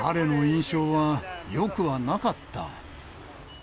彼の印象はよくはなかった。